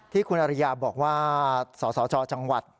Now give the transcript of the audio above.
ที่คุณอริยาบอกว่าสสจจังหวัด